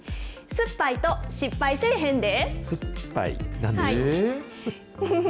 酸っぱいと失敗せぇへんで。